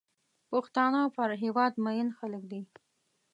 پښتانه پر هېواد مین خلک دي.